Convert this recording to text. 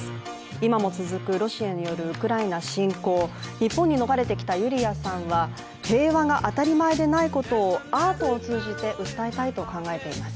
今も続くロシアによるウクライナ侵攻、日本に逃れてきたユリヤさんは平和が当たり前でないことをアートを通じて訴えたいと考えています。